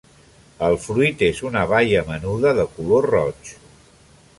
El fruit és una baia menuda de color roig.